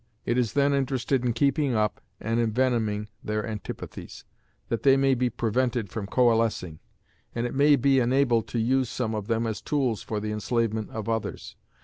It is then interested in keeping up and envenoming their antipathies, that they may be prevented from coalescing, and it may be enabled to use some of them as tools for the enslavement of others.